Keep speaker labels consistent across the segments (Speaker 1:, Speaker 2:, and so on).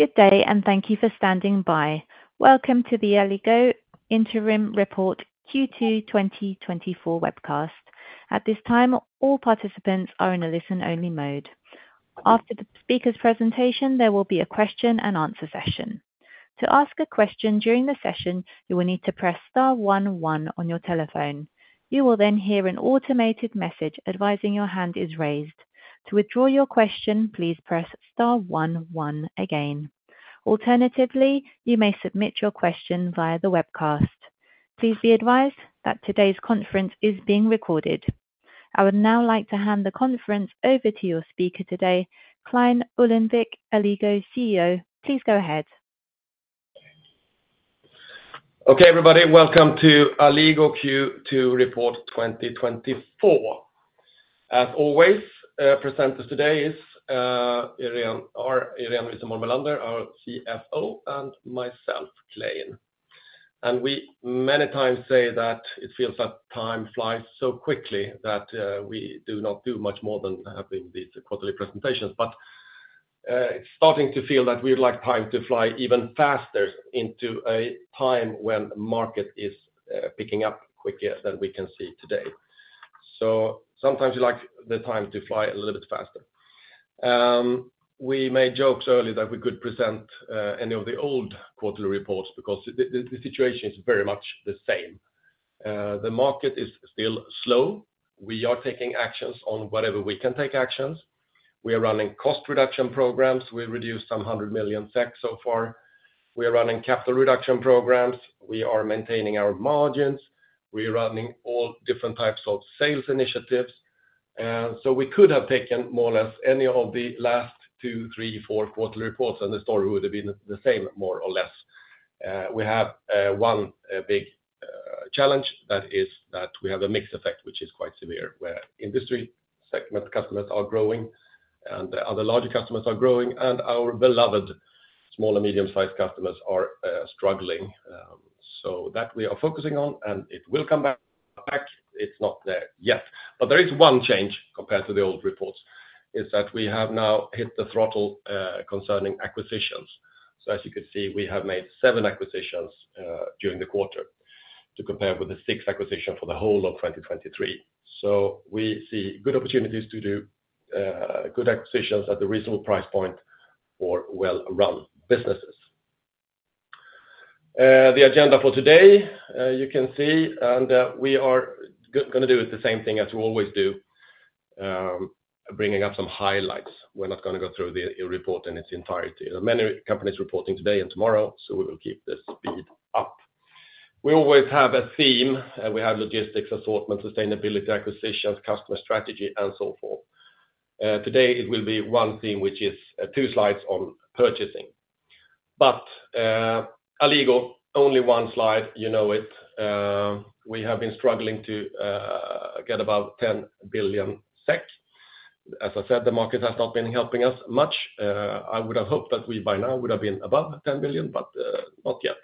Speaker 1: Good day, and thank you for standing by. Welcome to the Alligo Interim Report Q2 2024 webcast. At this time, all participants are in a listen-only mode. After the speaker's presentation, there will be a question and answer session. To ask a question during the session, you will need to press star one one on your telephone. You will then hear an automated message advising your hand is raised. To withdraw your question, please press star one one again. Alternatively, you may submit your question via the webcast. Please be advised that today's conference is being recorded. I would now like to hand the conference over to your speaker today, Clein Ullenvik, Alligo CEO. Please go ahead.
Speaker 2: Okay, everybody, welcome to Alligo Q2 Report 2024. As always, presenters today is Irene, our Irene Wisenborn Bellander, our CFO, and myself, Clein. And we many times say that it feels that time flies so quickly that we do not do much more than having these quarterly presentations. But it's starting to feel that we would like time to fly even faster into a time when market is picking up quicker than we can see today. So sometimes you like the time to fly a little bit faster. We made jokes earlier that we could present any of the old quarterly reports because the situation is very much the same. The market is still slow. We are taking actions on whatever we can take actions. We are running cost reduction programs. We've reduced 100 million so far. We are running capital reduction programs. We are maintaining our margins. We are running all different types of sales initiatives. So we could have taken more or less any of the last two, three, four quarterly reports, and the story would have been the same, more or less. We have one big challenge, that is that we have a mix effect, which is quite severe, where industry segment customers are growing and the other larger customers are growing, and our beloved small and medium-sized customers are struggling. So that we are focusing on, and it will come back. It's not there yet. But there is one change compared to the old reports, is that we have now hit the throttle concerning acquisitions. So as you can see, we have made seven acquisitions during the quarter to compare with the six acquisitions for the whole of 2023. So we see good opportunities to do good acquisitions at the reasonable price point for well-run businesses. The agenda for today, you can see, and we are gonna do the same thing as we always do, bringing up some highlights. We're not gonna go through the report in its entirety. There are many companies reporting today and tomorrow, so we will keep the speed up. We always have a theme, and we have logistics, assortment, sustainability, acquisitions, customer strategy, and so forth. Today it will be one theme, which is two slides on purchasing. But Alligo, only one slide, you know it. We have been struggling to get about 10 billion SEK. As I said, the market has not been helping us much. I would have hoped that we, by now, would have been above 10 billion, but not yet.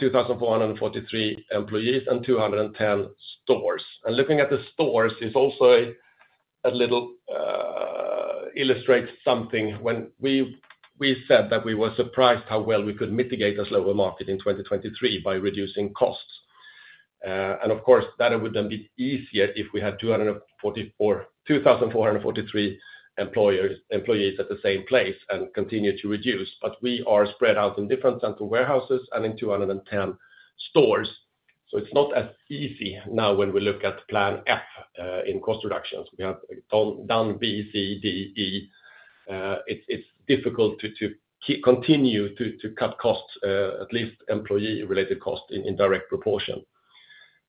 Speaker 2: 2,443 employees and 210 stores. Looking at the stores also a little illustrates something. When we said that we were surprised how well we could mitigate a slower market in 2023 by reducing costs. And of course, that it would then be easier if we had 2,443 employees at the same place and continue to reduce, but we are spread out in different central warehouses and in 210 stores, so it's not as easy now when we look at Plan F in cost reductions. We have done B, C, D, E. It's difficult to continue to cut costs, at least employee-related costs in direct proportion.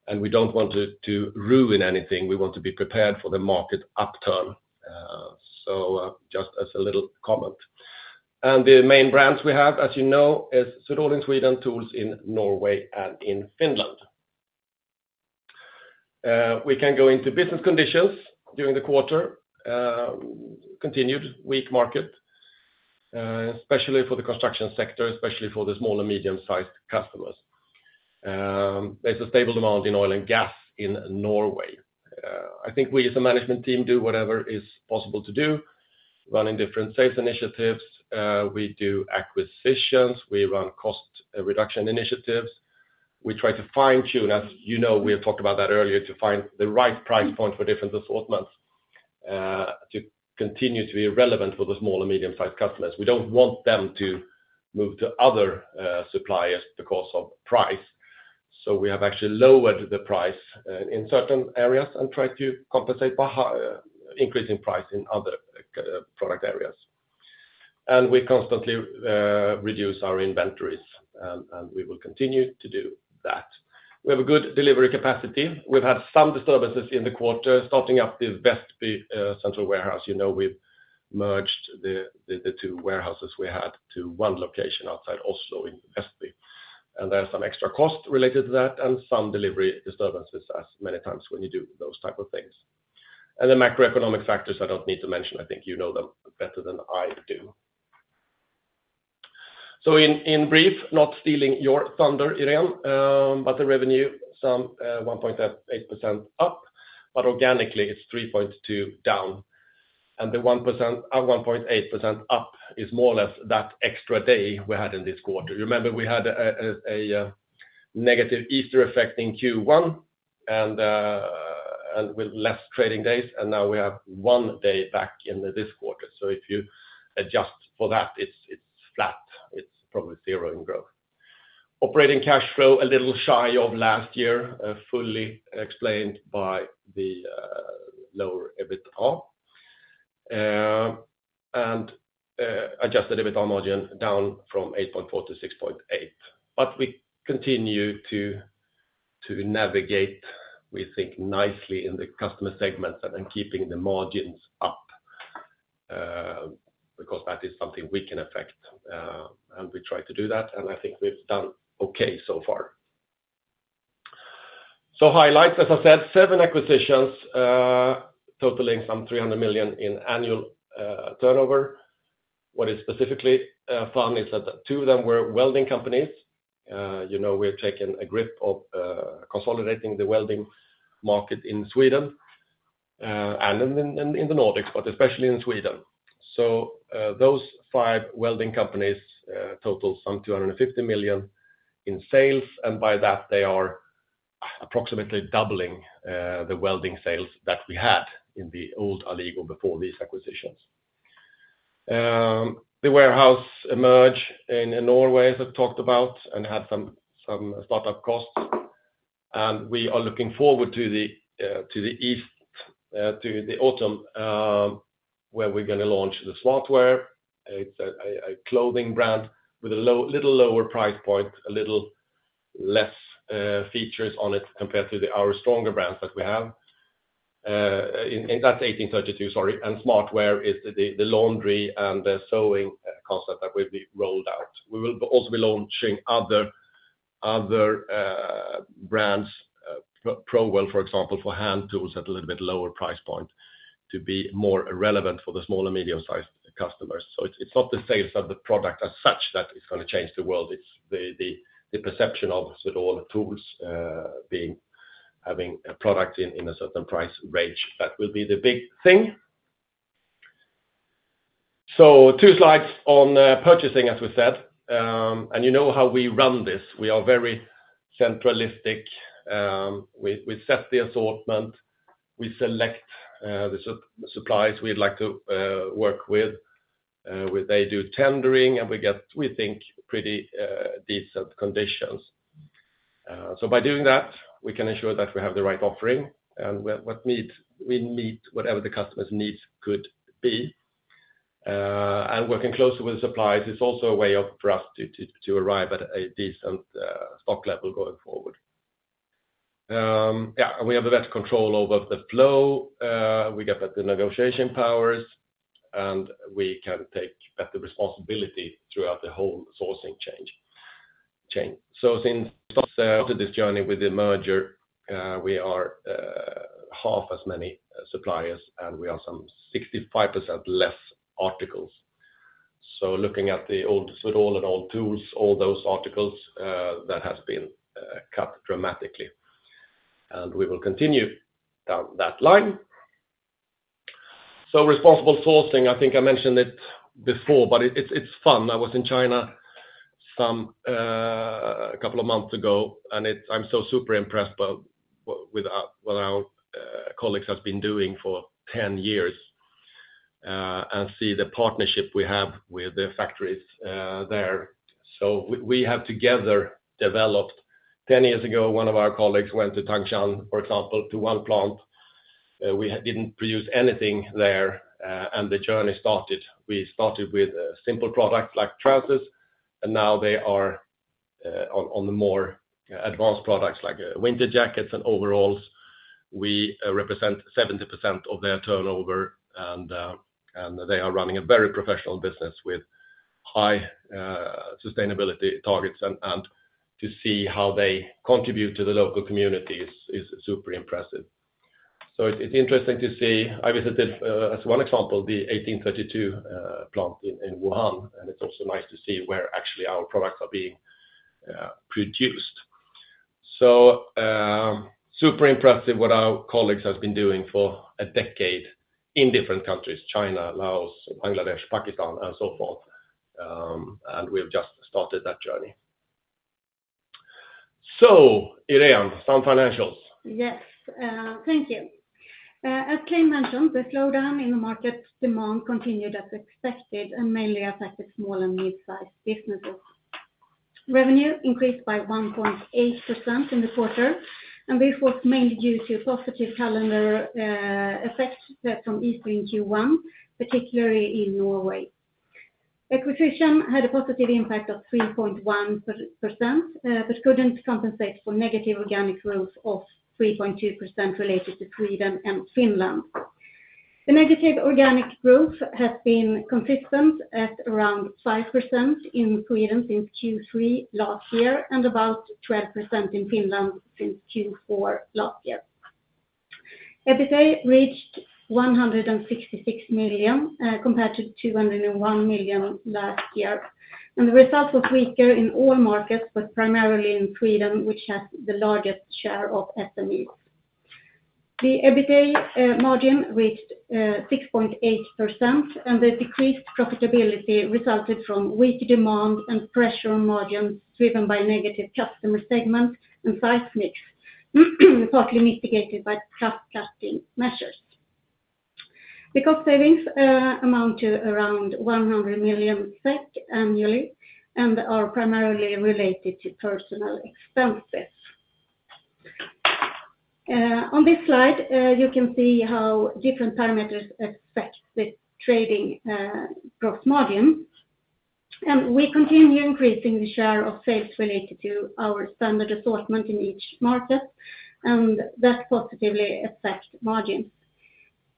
Speaker 2: And we don't want to ruin anything. We want to be prepared for the market upturn. So, just as a little comment. And the main brands we have, as you know, is Swedol in Sweden, Tools in Norway and in Finland. We can go into business conditions during the quarter. Continued weak market, especially for the construction sector, especially for the small and medium-sized customers. There's a stable amount in oil and gas in Norway. I think we as a management team do whatever is possible to do, running different sales initiatives. We do acquisitions, we run cost reduction initiatives. We try to fine-tune, as you know, we have talked about that earlier, to find the right price point for different assortments, to continue to be relevant for the small and medium-sized customers. We don't want them to move to other suppliers because of price, so we have actually lowered the price in certain areas and try to compensate by increasing price in other product areas. We constantly reduce our inventories, and we will continue to do that. We have a good delivery capacity. We've had some disturbances in the quarter, starting up the Vestby central warehouse. You know, we've merged the two warehouses we had to one location outside Oslo in Vestby, and there are some extra costs related to that and some delivery disturbances, as many times when you do those type of things. The macroeconomic factors I don't need to mention, I think you know them better than I do. So in brief, not stealing your thunder, Irene, but the revenue some 1.8% up, but organically it's 3.2% down. And the 1.8% up is more or less that extra day we had in this quarter. You remember we had a negative Easter effect in Q1, and with less trading days, and now we have one day back in this quarter. So if you adjust for that, it's flat, it's probably zero in growth. Operating cash flow, a little shy of last year, fully explained by the lower EBITDA. And adjusted EBITDA margin down from 8.4 to 6.8. But we continue to navigate, we think, nicely in the customer segments and then keeping the margins up, because that is something we can affect. And we try to do that, and I think we've done okay so far. So highlights, as I said, seven acquisitions, totaling some 300 million in annual turnover. What is specifically fun is that two of them were welding companies. You know, we have taken a grip of consolidating the welding market in Sweden and in the Nordics, but especially in Sweden. So, those five welding companies total some 250 million in sales, and by that, they are approximately doubling the welding sales that we had in the old Alligo before these acquisitions. The warehouse emerged in Norway, as I talked about, and had some startup costs. We are looking forward to the autumn, where we're going to launch the Smartwear. It's a clothing brand with a little lower price point, a little less features on it compared to our stronger brands that we have. That's 1832, sorry, and Smartwear is the laundry and the sewing concept that will be rolled out. We will also be launching other brands, Prowill, for example, for hand tools at a little bit lower price point to be more relevant for the small and medium-sized customers. So it's not the sales of the product as such that is going to change the world, it's the perception of sort of all the tools being having a product in a certain price range, that will be the big thing. So two slides on purchasing, as we said, and you know how we run this. We are very centralistic. We set the assortment, we select the suppliers we'd like to work with, where they do tendering, and we get, we think, pretty decent conditions. So by doing that, we can ensure that we have the right offering, and we meet whatever the customer's needs could be. And working closely with the suppliers is also a way for us to arrive at a decent stock level going forward. Yeah, and we have a better control over the flow, we get better negotiation powers, and we can take better responsibility throughout the whole sourcing chain. So since started this journey with the merger, we are half as many suppliers, and we are some 65% less articles. So looking at the old sort of all in all tools, all those articles that has been cut dramatically. And we will continue down that line. So responsible sourcing, I think I mentioned it before, but it, it's fun. I was in China some a couple of months ago, and I'm so super impressed by what, with our, what our colleagues have been doing for 10 years, and see the partnership we have with the factories there. So we have together developed... 10 years ago, one of our colleagues went to Tangshan, for example, to one plant. We had didn't produce anything there, and the journey started. We started with a simple product like trousers, and now they are on the more advanced products like winter jackets and overalls. We represent 70% of their turnover, and they are running a very professional business with high sustainability targets, and to see how they contribute to the local community is super impressive. It's interesting to see. I visited, as one example, the 1832 plant in Wuhan, and it's also nice to see where actually our products are being produced. So, super impressive what our colleagues have been doing for a decade in different countries, China, Laos, Bangladesh, Pakistan, and so forth. And we've just started that journey. So Irene, some financials.
Speaker 3: Yes, thank you. As Clein mentioned, the slowdown in the market demand continued as expected and mainly affected small and mid-sized businesses. Revenue increased by 1.8% in the quarter, and this was mainly due to a positive calendar effect from Easter in Q1, particularly in Norway. Acquisition had a positive impact of 3.1%, but couldn't compensate for negative organic growth of 3.2% related to Sweden and Finland. The negative organic growth has been consistent at around 5% in Sweden since Q3 last year, and about 12% in Finland since Q4 last year. EBITDA reached 166 million, compared to 201 million last year. The result was weaker in all markets, but primarily in Sweden, which has the largest share of SMEs. The EBITDA margin reached 6.8%, and the decreased profitability resulted from weak demand and pressure on margins, driven by negative customer segment and size mix, partly mitigated by cost cutting measures. The cost savings amount to around 100 million SEK annually and are primarily related to personnel expenses. On this slide, you can see how different parameters affect the trading gross margin, and we continue increasing the share of sales related to our standard assortment in each market, and that positively affect margin.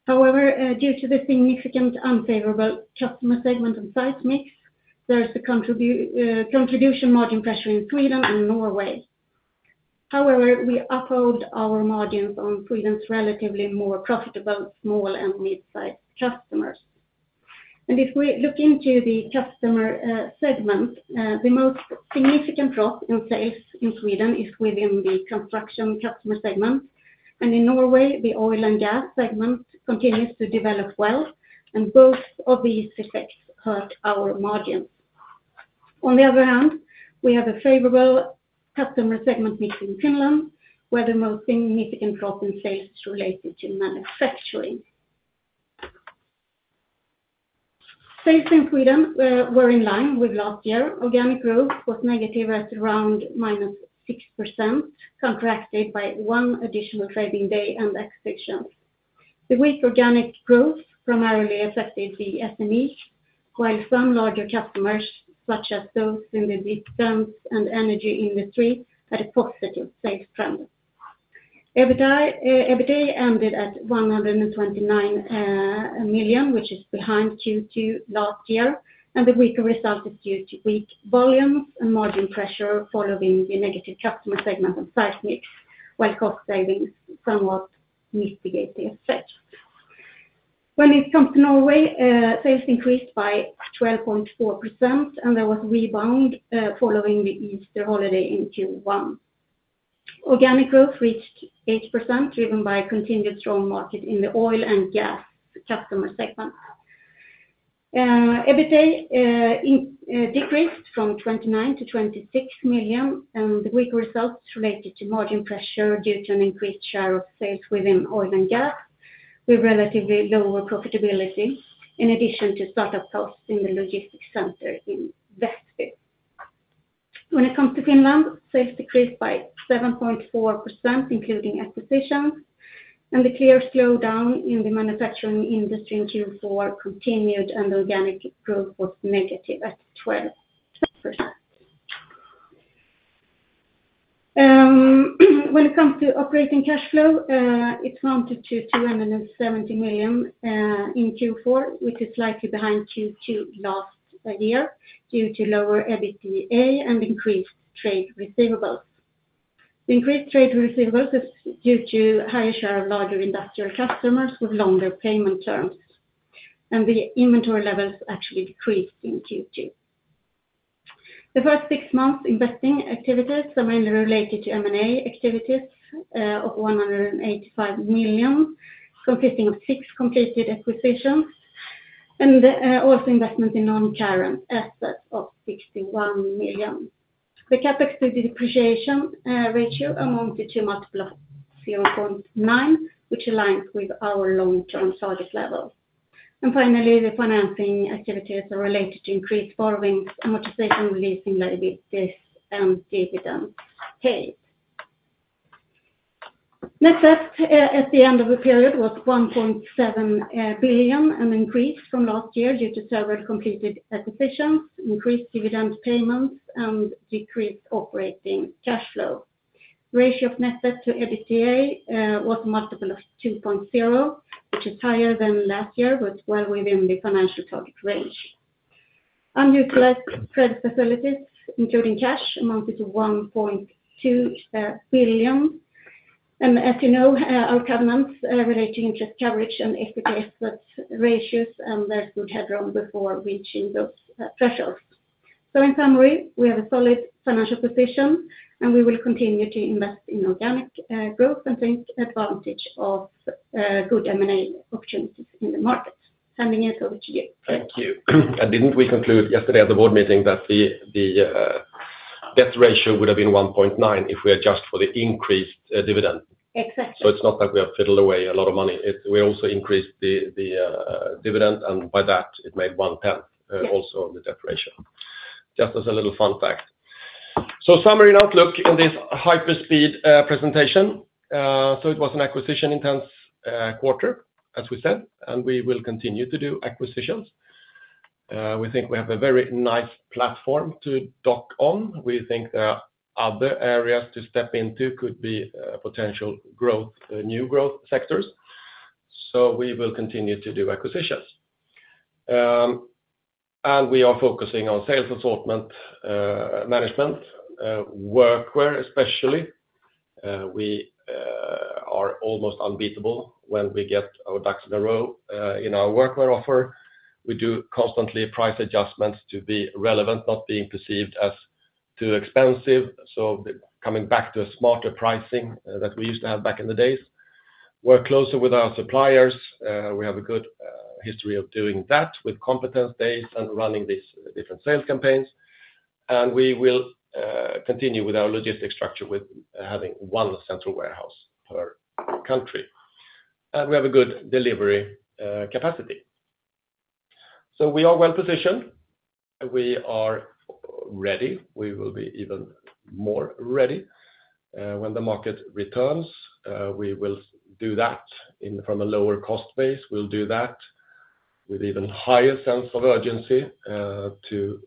Speaker 3: However, due to the significant unfavorable customer segment and size mix, there's a contribution margin pressure in Sweden and Norway. However, we uphold our margins on Sweden's relatively more profitable small and mid-size customers. If we look into the customer segment, the most significant drop in sales in Sweden is within the construction customer segment, and in Norway, the oil and gas segment continues to develop well, and both of these effects hurt our margins. On the other hand, we have a favorable customer segment mix in Finland, where the most significant drop in sales related to manufacturing. Sales in Sweden were in line with last year. Organic growth was negative at around -6%, contracted by one additional trading day and acquisitions. The weak organic growth primarily affected the SMEs, while some larger customers, such as those in the defense and energy industry, had a positive sales trend. EBITDA ended at 129 million, which is behind Q2 last year, and the weaker result is due to weak volumes and margin pressure following the negative customer segment and size mix, while cost savings somewhat mitigate the effect. When it comes to Norway, sales increased by 12.4%, and there was rebound following the Easter holiday in Q1. Organic growth reached 8%, driven by continued strong market in the oil and gas customer segment. EBITDA decreased from 29 million to 26 million, and the weak results related to margin pressure due to an increased share of sales within oil and gas, with relatively lower profitability, in addition to startup costs in the logistics center in Vestby. When it comes to Finland, sales decreased by 7.4%, including acquisitions, and the clear slowdown in the manufacturing industry in Q4 continued, and organic growth was -12%. When it comes to operating cash flow, it amounted to 270 million in Q4, which is slightly behind Q2 last year, due to lower EBITDA and increased trade receivables. Increased trade receivables is due to higher share of larger industrial customers with longer payment terms, and the inventory levels actually decreased in Q2. The first six months, investing activities are mainly related to M&A activities of 185 million, consisting of six completed acquisitions, and also investment in non-current assets of 61 million. The CapEx to depreciation ratio amounted to multiple of 0.9, which aligns with our long-term target level. Finally, the financing activities are related to increased borrowing and amortization, leasing liabilities and dividend paid. Net debt at the end of the period was 1.7 billion, an increase from last year due to several completed acquisitions, increased dividend payments, and decreased operating cash flow. Ratio of net debt to EBITDA was multiple of 2.0, which is higher than last year, but well within the financial target range. Unutilized credit facilities, including cash, amounted to 1.2 billion. And as you know, our covenants relate to interest coverage and EBITDA ratios, and there's good headroom before reaching those thresholds. So in summary, we have a solid financial position, and we will continue to invest in organic growth and take advantage of good M&A opportunities in the market. Handing it over to you.
Speaker 2: Thank you. And didn't we conclude yesterday at the board meeting that the debt ratio would have been 1.9 if we adjust for the increased dividend?
Speaker 3: Exactly.
Speaker 2: So it's not that we have fiddled away a lot of money. We also increased the dividend, and by that, it made [0.1]
Speaker 3: Yes...
Speaker 2: also of the debt ratio. Just as a little fun fact. So summary and outlook in this hyperspeed presentation. So it was an acquisition-intense quarter, as we said, and we will continue to do acquisitions. We think we have a very nice platform to dock on. We think there are other areas to step into, could be potential growth, new growth sectors. So we will continue to do acquisitions. And we are focusing on sales assortment management, work wear, especially. We are almost unbeatable when we get our ducks in a row in our work wear offer. We do constantly price adjustments to be relevant, not being perceived as too expensive. So coming back to smarter pricing that we used to have back in the days. Work closer with our suppliers, we have a good history of doing that with competence days and running these different sales campaigns. And we will continue with our logistics structure with having one central warehouse per country. And we have a good delivery capacity. So we are well positioned, we are ready. We will be even more ready when the market returns, we will do that in from a lower cost base. We'll do that with even higher sense of urgency to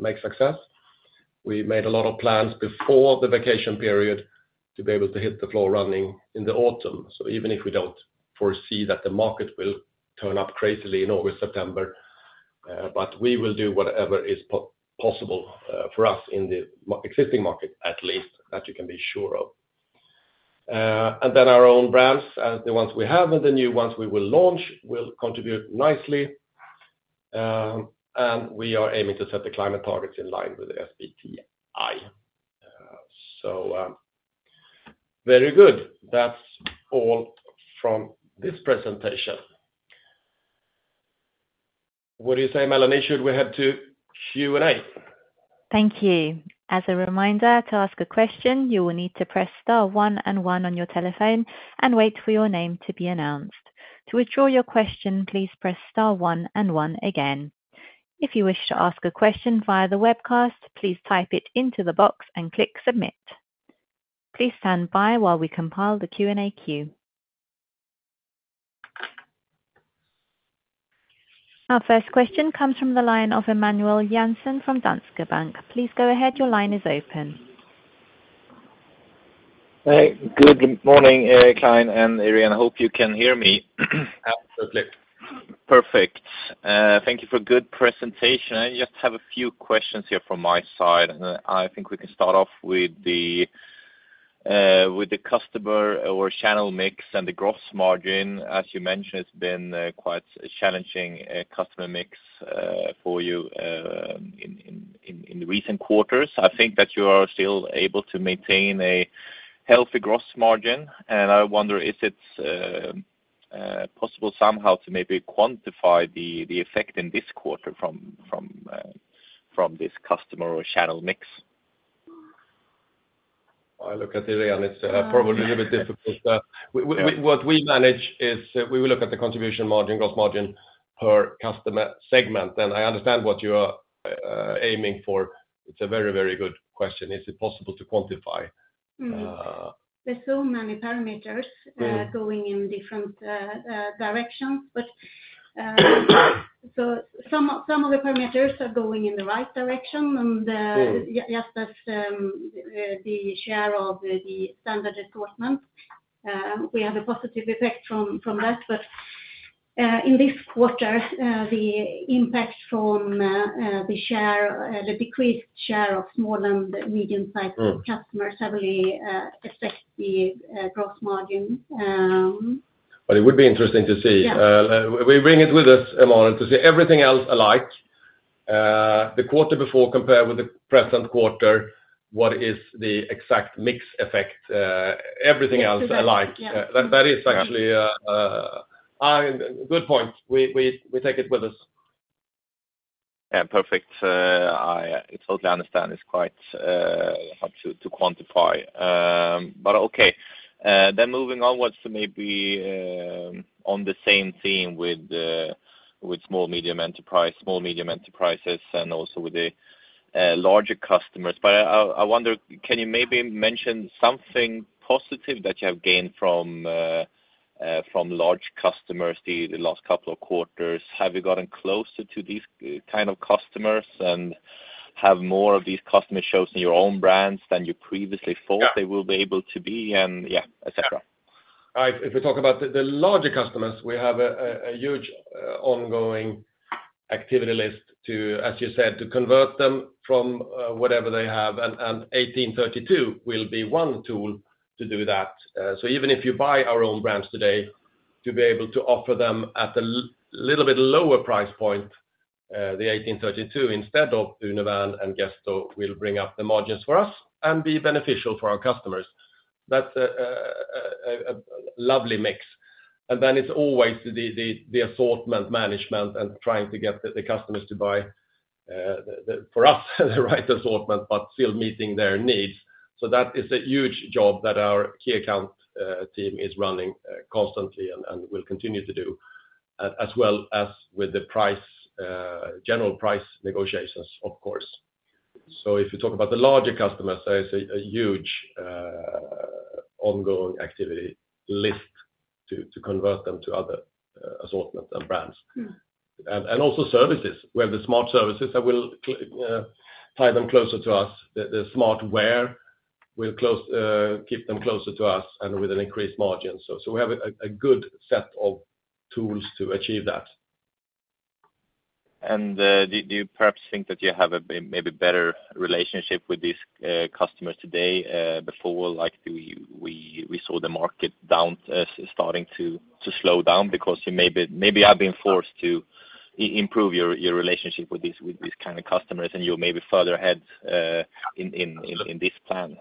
Speaker 2: make success. We made a lot of plans before the vacation period to be able to hit the floor running in the autumn. So even if we don't foresee that the market will turn up crazily in August, September, but we will do whatever is possible for us in the existing market, at least, that you can be sure of. And then our own brands, the ones we have and the new ones we will launch, will contribute nicely. And we are aiming to set the climate targets in line with the SBTi. So, very good. That's all from this presentation. What do you say, Melanie? Should we head to Q&A?
Speaker 1: Thank you. As a reminder, to ask a question, you will need to press star one and one on your telephone and wait for your name to be announced. To withdraw your question, please press star one and one again. If you wish to ask a question via the webcast, please type it into the box and click Submit. Please stand by while we compile the Q&A queue. Our first question comes from the line of Emanuel Jansson from Danske Bank. Please go ahead, your line is open.
Speaker 4: Hi, good morning, Clein and Irene. I hope you can hear me.
Speaker 2: Absolutely.
Speaker 4: Perfect. Thank you for good presentation. I just have a few questions here from my side, and I think we can start off with the customer or channel mix and the gross margin. As you mentioned, it's been quite challenging customer mix for you in recent quarters. I think that you are still able to maintain a healthy gross margin, and I wonder if it's possible somehow to maybe quantify the effect in this quarter from this customer or channel mix?
Speaker 2: I look at Irene, it's probably a little bit difficult. What we manage is we will look at the contribution margin, gross margin per customer segment. And I understand what you are aiming for. It's a very, very good question. Is it possible to quantify?
Speaker 3: Mm-hmm. There's so many parameters.
Speaker 2: Mm.
Speaker 3: going in different directions. But, so some of the parameters are going in the right direction, and
Speaker 2: Mm.
Speaker 3: Yes, that's the share of the standard assortment. We have a positive effect from that, but in this quarter, the impact from the share, the decreased share of small and medium-sized-
Speaker 2: Mm.
Speaker 3: Customers have really affected the gross margin.
Speaker 2: But it would be interesting to see.
Speaker 3: Yeah.
Speaker 2: We bring it with us, Emanuel, to see everything else alike, the quarter before compared with the present quarter, what is the exact mix effect? Everything else-
Speaker 3: Effect, yeah...
Speaker 2: alike. That is actually a good point. We take it with us.
Speaker 4: Yeah, perfect. I totally understand it's quite hard to quantify. But okay. Then moving onwards to maybe on the same theme with the small medium enterprise, small medium enterprises, and also with the larger customers. But I wonder, can you maybe mention something positive that you have gained from large customers the last couple of quarters? Have you gotten closer to these kind of customers and have more of these customer shows in your own brands than you previously thought-
Speaker 2: Yeah...
Speaker 4: they will be able to be, and, yeah, et cetera.
Speaker 2: Yeah. If we talk about the larger customers, we have a huge ongoing activity list to, as you said, to convert them from whatever they have, and 1832 will be one tool to do that. So even if you buy our own brands today, to be able to offer them at a little bit lower price point, the 1832, instead of Univern and Gesto, will bring up the margins for us and be beneficial for our customers. That's a lovely mix. And then it's always the assortment management and trying to get the customers to buy, for us, the right assortment, but still meeting their needs. So that is a huge job that our key account team is running constantly and will continue to do as well as with the price general price negotiations, of course. So if you talk about the larger customers, there is a huge ongoing activity list to convert them to other assortment and brands.
Speaker 3: Mm.
Speaker 2: And also services, where the smart services that will tie them closer to us, the Smartwear will keep them closer to us and with an increased margin. So we have a good set of tools to achieve that.
Speaker 4: Do you perhaps think that you have a maybe better relationship with these customers today, before, like, we saw the market down starting to slow down? Because you maybe have been forced to improve your relationship with these kind of customers, and you're maybe further ahead in this plan?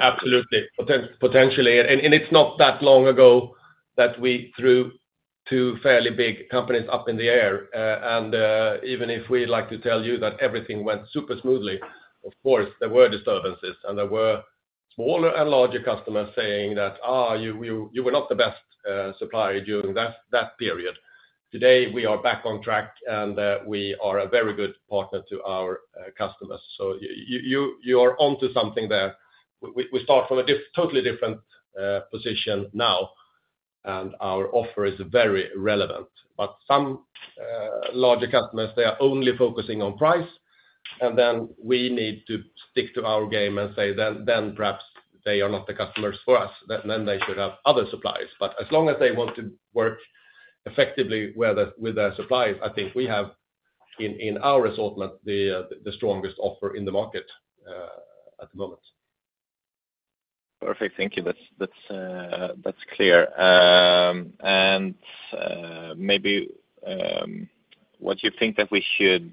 Speaker 2: Absolutely. Potentially, and, and it's not that long ago that we threw two fairly big companies up in the air. Even if we like to tell you that everything went super smoothly, of course, there were disturbances, and there were smaller and larger customers saying that, "Ah, you, you, you were not the best supplier during that period." Today, we are back on track, and we are a very good partner to our customers. So you are onto something there. We start from a totally different position now, and our offer is very relevant. But some larger customers, they are only focusing on price, and then we need to stick to our game and say, then perhaps they are not the customers for us, then they should have other suppliers. As long as they want to work effectively with their suppliers, I think we have in our assortment the strongest offer in the market at the moment.
Speaker 4: Perfect, thank you. That's, that's, that's clear. And, maybe, what do you think that we should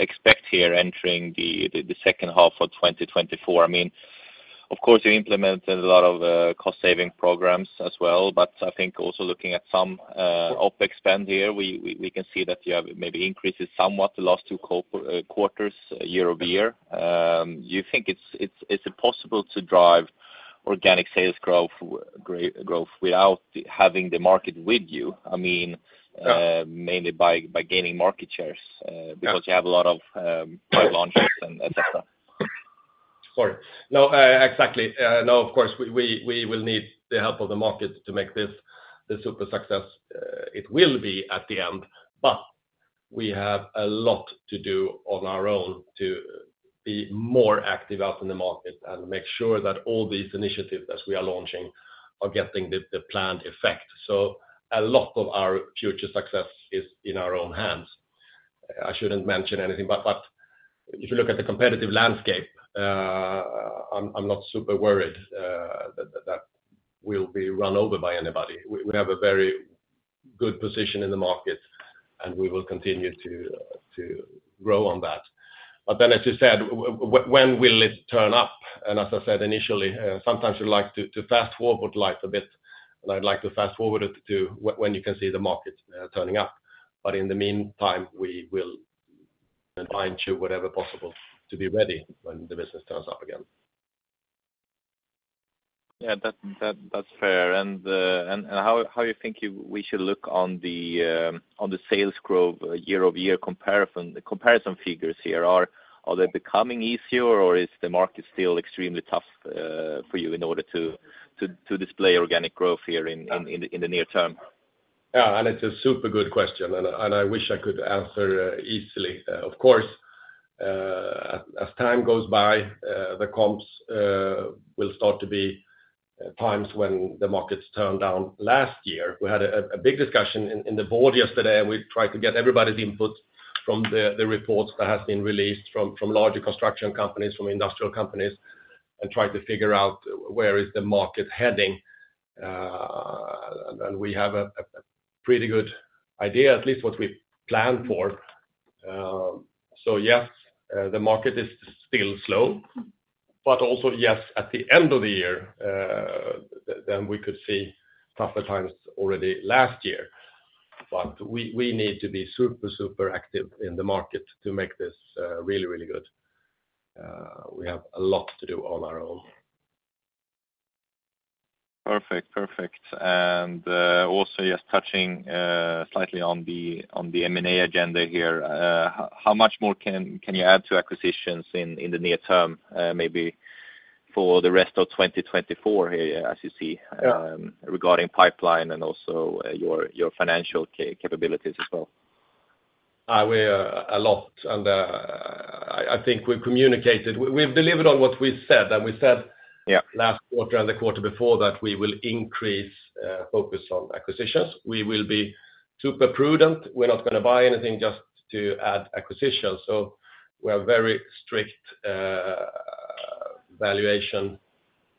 Speaker 4: expect here entering the second half of 2024? I mean, of course, you implemented a lot of cost saving programs as well, but I think also looking at some OpEx spend here, we can see that you have maybe increases somewhat the last two quarters, year-over-year. Do you think it's, it's, is it possible to drive organic sales growth, growth, without having the market with you? I mean,
Speaker 2: Yeah...
Speaker 4: mainly by gaining market shares
Speaker 2: Yeah...
Speaker 4: because you have a lot of new launches and, et cetera.
Speaker 2: Sorry. No, exactly. No, of course, we will need the help of the market to make this the super success, it will be at the end. But we have a lot to do on our own to be more active out in the market and make sure that all these initiatives that we are launching are getting the planned effect. So a lot of our future success is in our own hands. I shouldn't mention anything, but if you look at the competitive landscape, I'm not super worried that we'll be run over by anybody. We have a very good position in the market, and we will continue to grow on that. But then, as you said, when will it turn up? As I said initially, sometimes we like to fast forward life a bit, and I'd like to fast forward it to when you can see the market turning up. But in the meantime, we will fine-tune whatever possible to be ready when the business turns up again.
Speaker 4: Yeah, that's fair. And how you think we should look on the sales growth year-over-year comparison figures here? Are they becoming easier, or is the market still extremely tough for you in order to display organic growth here in the near term?
Speaker 2: Yeah, and it's a super good question, and I wish I could answer easily. Of course, as time goes by, the comps will start to be times when the markets turned down last year. We had a big discussion in the board yesterday, and we tried to get everybody's input from the reports that have been released from larger construction companies, from industrial companies, and tried to figure out where the market is heading. And we have a pretty good idea, at least what we planned for. So yes, the market is still slow, but also, yes, at the end of the year, then we could see tougher times already last year. But we need to be super active in the market to make this really good. We have a lot to do on our own.
Speaker 4: Perfect. Perfect. And, also, just touching slightly on the M&A agenda here, how much more can you add to acquisitions in the near term, maybe for the rest of 2024 here, as you see-
Speaker 2: Yeah...
Speaker 4: regarding pipeline and also, your, your financial capabilities as well?
Speaker 2: I think we've communicated. We've delivered on what we've said, and we said.
Speaker 4: Yeah...
Speaker 2: last quarter and the quarter before that, we will increase focus on acquisitions. We will be super prudent. We're not gonna buy anything just to add acquisitions, so we are very strict valuation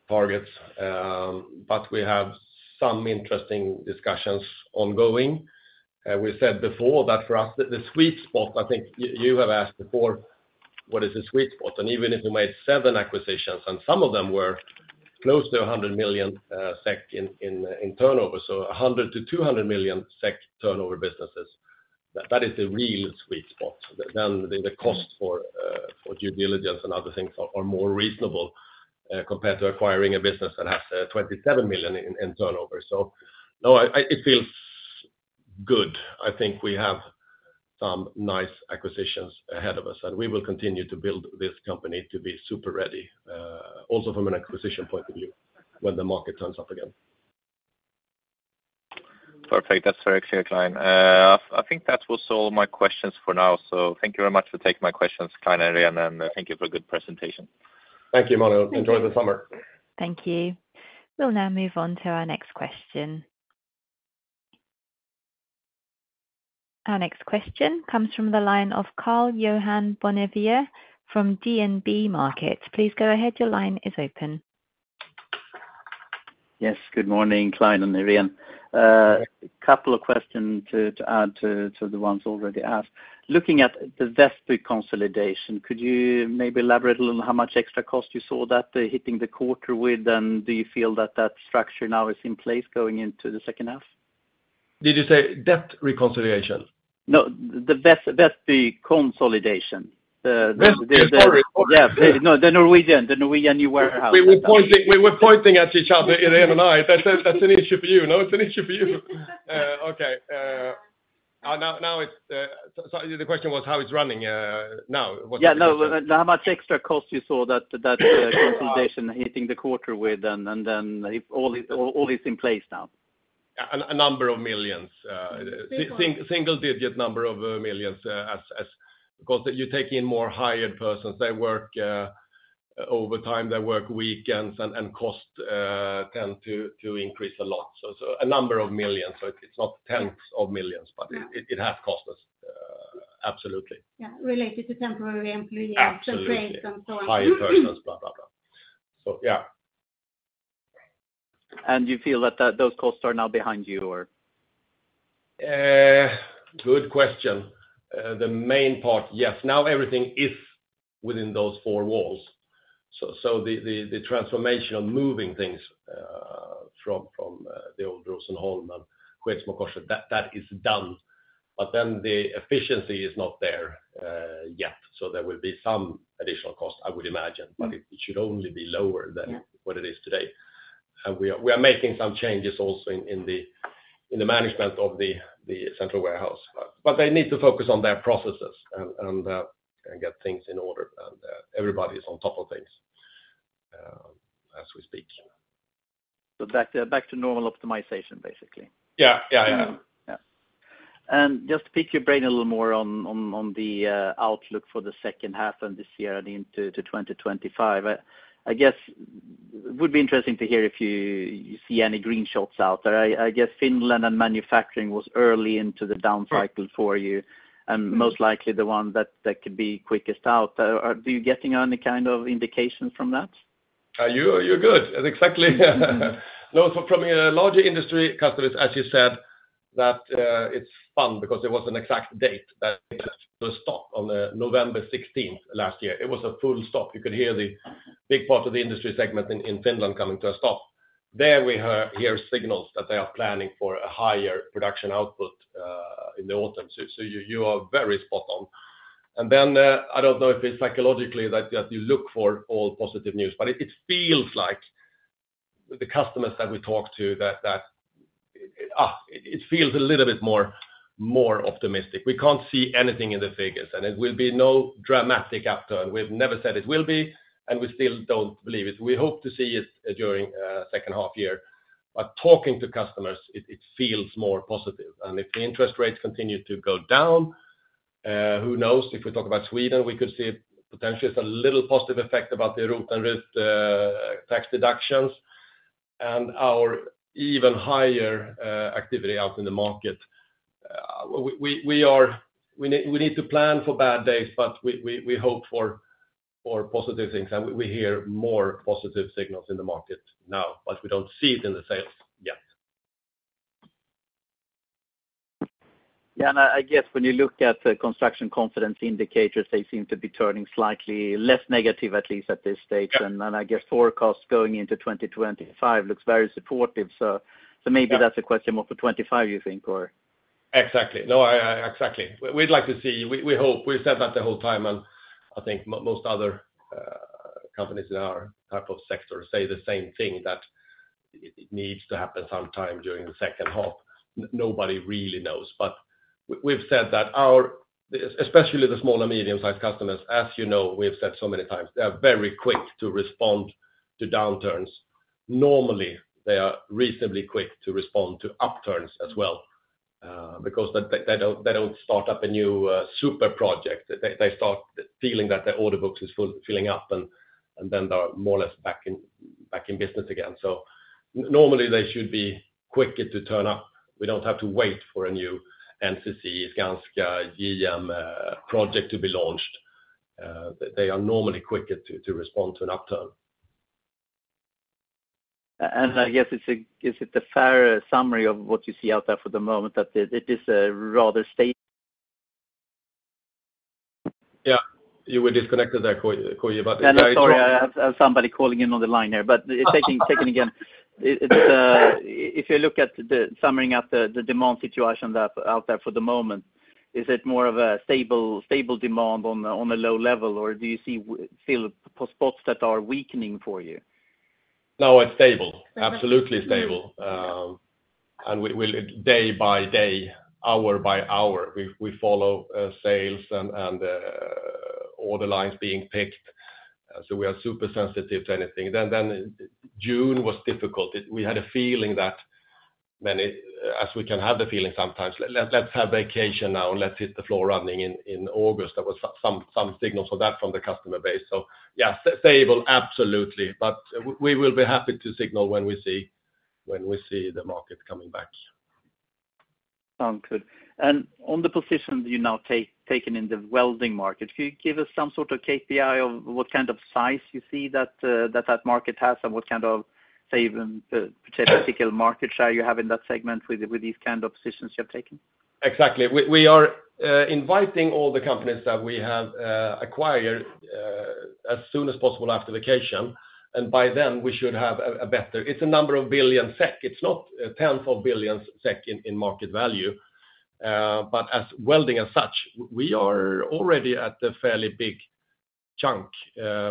Speaker 2: targets. But we have some interesting discussions ongoing. We said before that for us, the sweet spot, I think you have asked before, what is the sweet spot? And even if we made seven acquisitions, and some of them were close to 100 million SEK in turnover, so 100 million-200 million SEK turnover businesses, that is the real sweet spot. Then the cost for due diligence and other things are more reasonable compared to acquiring a business that has 27 million in turnover. So no, I, it feels good. I think we have some nice acquisitions ahead of us, and we will continue to build this company to be super ready, also from an acquisition point of view, when the market turns up again....
Speaker 4: Perfect. That's very clear, Clein. I think that was all my questions for now, so thank you very much for taking my questions, Clein and Irene, and thank you for a good presentation.
Speaker 2: Thank you, Mano.
Speaker 3: Thank you.
Speaker 2: Enjoy the summer.
Speaker 1: Thank you. We'll now move on to our next question. Our next question comes from the line of Karl-Johan Bonnevier from DNB Markets. Please go ahead. Your line is open.
Speaker 5: Yes, good morning, Clein and Irene. A couple of questions to add to the ones already asked. Looking at the Vesper consolidation, could you maybe elaborate a little on how much extra cost you saw that hitting the quarter with? And do you feel that that structure now is in place going into the second half?
Speaker 2: Did you say debt reconciliation?
Speaker 5: No, the Vestby consolidation. The-
Speaker 2: Vestby, sorry.
Speaker 5: Yeah, no, the Norwegian, the Norwegian new warehouse.
Speaker 2: We were pointing, we were pointing at each other, Irene and I. That's an, that's an issue for you. No, it's an issue for you. Okay, now, now it's... So the question was how it's running, now?
Speaker 5: Yeah, no, how much extra cost you saw that consolidation hitting the quarter with, and then if all is in place now?
Speaker 2: SEK a number of millions.
Speaker 3: Millions.
Speaker 2: Single-digit number of millions as... Because you take in more hired persons, they work over time, they work weekends, and costs tend to increase a lot. So, a number of millions, so it's not tens of millions, but-
Speaker 3: Yeah...
Speaker 2: it, it has cost us, absolutely.
Speaker 3: Yeah, related to temporary employees-
Speaker 2: Absolutely
Speaker 3: and rates and so on.
Speaker 2: Hired persons, blah, blah, blah. So, yeah.
Speaker 5: You feel that those costs are now behind you, or?
Speaker 2: Good question. The main part, yes. Now, everything is within those four walls. So the transformation of moving things from the old Rosenholm and... That is done, but then the efficiency is not there yet. So there will be some additional cost, I would imagine-
Speaker 5: Mm.
Speaker 2: but it should only be lower than
Speaker 3: Yeah...
Speaker 2: what it is today. And we are making some changes also in the management of the central warehouse. But they need to focus on their processes and get things in order, and everybody is on top of things, as we speak.
Speaker 5: Back to normal optimization, basically?
Speaker 2: Yeah. Yeah, I mean-
Speaker 5: Yeah. Just to pick your brain a little more on the outlook for the second half and this year and into 2025, I guess would be interesting to hear if you see any green shoots out there. I guess Finland and manufacturing was early into the down cycle-
Speaker 2: Yeah...
Speaker 5: for you, and most likely the one that could be quickest out. Are you getting any kind of indication from that?
Speaker 2: You're good. And exactly. No, from a larger industry customers, as you said, it's fun because there was an exact date that the stop on the November 16th last year. It was a full stop. You could hear the big part of the industry segment in Finland coming to a stop. There we hear signals that they are planning for a higher production output in the autumn. So you are very spot on. And then, I don't know if it's psychologically that you look for all positive news, but it feels like the customers that we talk to, it feels a little bit more optimistic. We can't see anything in the figures, and it will be no dramatic upturn. We've never said it will be, and we still don't believe it. We hope to see it during second half year. But talking to customers, it feels more positive. And if the interest rates continue to go down, who knows? If we talk about Sweden, we could see potentially it's a little positive effect about the RUT and ROT tax deductions and even higher activity out in the market. We need to plan for bad days, but we hope for positive things, and we hear more positive signals in the market now, but we don't see it in the sales yet.
Speaker 5: Yeah, and I, I guess when you look at the construction confidence indicators, they seem to be turning slightly less negative, at least at this stage.
Speaker 2: Yeah.
Speaker 5: And then I guess forecast going into 2025 looks very supportive. So, so maybe-
Speaker 2: Yeah...
Speaker 5: that's a question more for 2025, you think, or?
Speaker 2: Exactly. No, I. Exactly. We'd like to see, we hope... We've said that the whole time, and I think most other companies in our type of sector say the same thing, that it needs to happen sometime during the second half. Nobody really knows, but we've said that our, especially the small and medium-sized customers, as you know, we've said so many times, they are very quick to respond to downturns. Normally, they are reasonably quick to respond to upturns as well, because they don't start up a new super project. They start feeling that their order books is full, filling up, and then they are more or less back in business again. So normally, they should be quicker to turn up. We don't have to wait for a new NCC, Skanska, JM, project to be launched. They are normally quicker to respond to an upturn.
Speaker 5: I guess, is it, is it a fair summary of what you see out there for the moment, that it, it is a rather sta-
Speaker 2: Yeah, you were disconnected there, K-J, but-
Speaker 5: I'm sorry, I have somebody calling in on the line there, but taking again. If you look at the summing up the demand situation that out there for the moment, is it more of a stable demand on a low level, or do you see feel p-spots that are weakening for you?
Speaker 2: No, it's stable. Absolutely stable. And we will day by day, hour-by-hour, we follow sales and all the lines being picked, so we are super sensitive to anything. Then June was difficult. We had a feeling that many, as we can have the feeling sometimes, let's have vacation now, let's hit the floor running in August. There was some signals for that from the customer base. So yeah, stable, absolutely, but we will be happy to signal when we see the market coming back.
Speaker 5: Sounds good. And on the position you've now taken in the welding market, can you give us some sort of KPI of what kind of size you see that market has? And what kind of, say, even particular market share you have in that segment with these kind of positions you're taking?
Speaker 2: Exactly. We are inviting all the companies that we have acquired as soon as possible after vacation, and by then, we should have a better... It's a number of billion SEK. It's not tens of billions SEK in market value, but in welding as such, we are already at the fairly big chunk,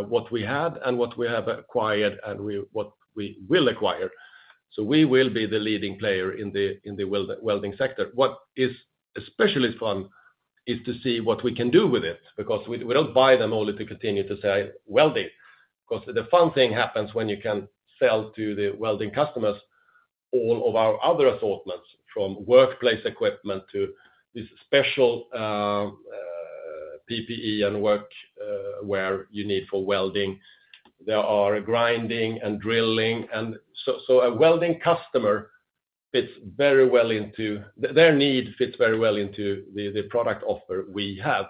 Speaker 2: what we had and what we have acquired, and what we will acquire. So we will be the leading player in the welding sector. What is especially fun is to see what we can do with it, because we don't buy them only to continue to say, "Welding." 'Cause the fun thing happens when you can sell to the welding customers all of our other assortments, from workplace equipment to this special PPE and workwear you need for welding. There are grinding and drilling, and so, so a welding customer fits very well into their need fits very well into the, the product offer we have.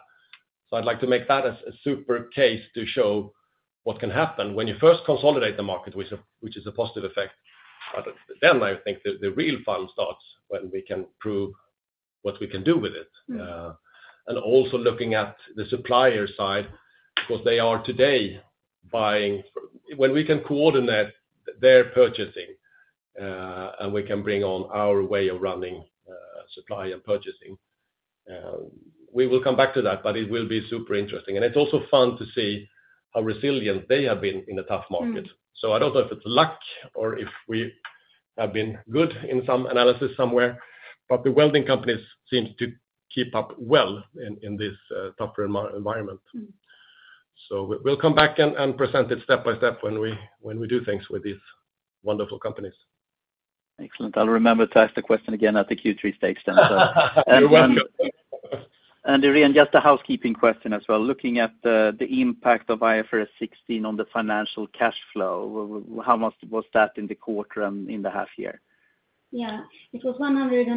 Speaker 2: So I'd like to make that as a super case to show what can happen when you first consolidate the market, which is, which is a positive effect. But then I think the, the real fun starts when we can prove what we can do with it.
Speaker 5: Mm.
Speaker 2: And also looking at the supplier side, because they are today buying... When we can coordinate their purchasing, and we can bring on our way of running, supply and purchasing, we will come back to that, but it will be super interesting. And it's also fun to see how resilient they have been in a tough market.
Speaker 5: Mm.
Speaker 2: So I don't know if it's luck or if we have been good in some analysis somewhere, but the welding companies seem to keep up well in this tougher environment.
Speaker 5: Mm.
Speaker 2: So we'll come back and present it step by step when we do things with these wonderful companies.
Speaker 5: Excellent. I'll remember to ask the question again at the Q3 stake then.
Speaker 2: You're welcome.
Speaker 5: Irene, just a housekeeping question as well. Looking at the impact of IFRS 16 on the financial cash flow, how much was that in the quarter and in the half year?
Speaker 3: Yeah. It was 108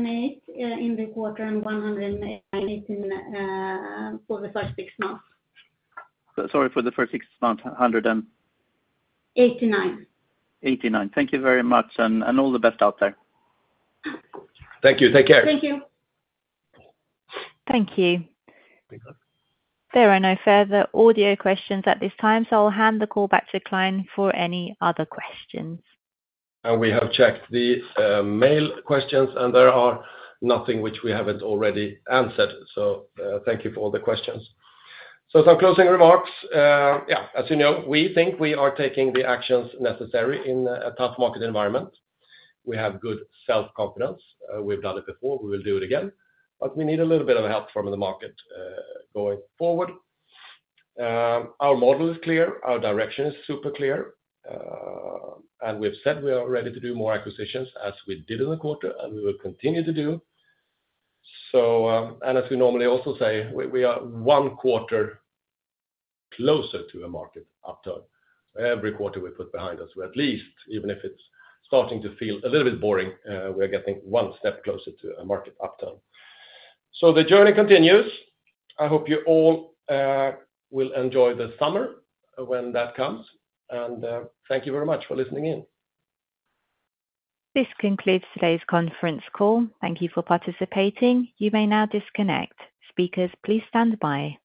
Speaker 3: in the quarter, and 118 for the first six months.
Speaker 5: Sorry, for the first six months, 100 and?
Speaker 3: 89.
Speaker 5: 89. Thank you very much, and all the best out there.
Speaker 2: Thank you. Take care.
Speaker 3: Thank you.
Speaker 1: Thank you.
Speaker 2: Thank you.
Speaker 1: There are no further audio questions at this time, so I'll hand the call back to Clein for any other questions.
Speaker 2: We have checked the mail questions, and there are nothing which we haven't already answered, so thank you for all the questions. Some closing remarks, as you know, we think we are taking the actions necessary in a tough market environment. We have good self-confidence. We've done it before, we will do it again, but we need a little bit of help from the market going forward. Our model is clear, our direction is super clear, and we've said we are ready to do more acquisitions, as we did in the quarter, and we will continue to do. And as we normally also say, we are one quarter closer to a market upturn. Every quarter we put behind us, we at least, even if it's starting to feel a little bit boring, we're getting one step closer to a market upturn. So the journey continues. I hope you all will enjoy the summer when that comes, and thank you very much for listening in.
Speaker 1: This concludes today's conference call. Thank you for participating. You may now disconnect. Speakers, please stand by.